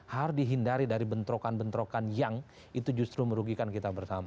harus dihindari dari bentrokan bentrokan yang itu justru merugikan kita bersama